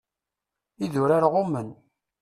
Idurar ɣummen.